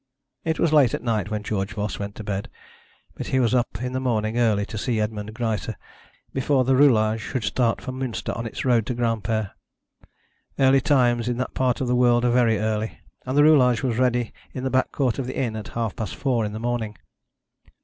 It was late at night when George Voss went to bed, but he was up in the morning early to see Edmond Greisse before the roulage should start for Munster on its road to Granpere. Early times in that part of the world are very early, and the roulage was ready in the back court of the inn at half past four in the morning.